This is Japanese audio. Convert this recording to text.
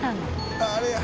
あああれや。